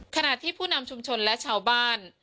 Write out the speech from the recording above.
ขณะที่ผู้นำชุมชนและชาวบ้าน